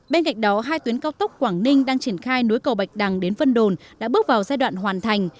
bên cạnh đó hai tuyến cao tốc quảng ninh đang triển khai nối cầu bạch đằng đến vân đồn đã bước vào giai đoạn hoàn thành